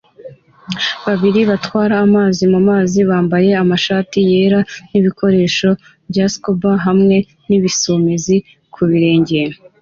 Babiri batwara amazi mu mazi bambaye amashati yera nibikoresho bya scuba hamwe nibisumizi kubirenge